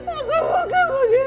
aku gak seperti itu